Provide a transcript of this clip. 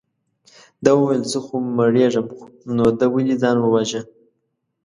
ده وویل زه خو مرېږم نو ده ولې ځان وواژه.